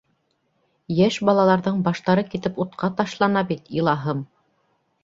— Йәш балаларҙың баштары китеп утҡа ташлана бит, илаһым.